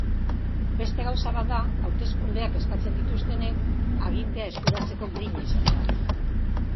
Beste gauza bat da hauteskundeak eskatzen dituztenek agintea eskuratzeko grina izatea.